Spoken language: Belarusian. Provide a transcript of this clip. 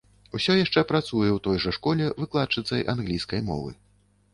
Усё яшчэ працуе ў той жа школе выкладчыцай англійскай мовы.